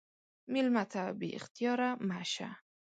مېلمه ته بې اختیاره مه شه.